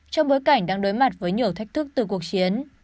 trong bối cảnh đang đối mặt với nhiều thách thức từ cuộc chiến